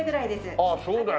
ああそうだよね。